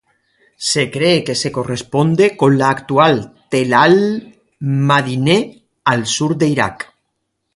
Se cree que se corresponde con la actual Tell al-Madineh, al sur de Irak.